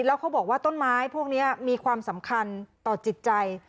แล้วเขาบอกว่าต้นไม้พวกนี้มีความสำคัญต่อจิตใจ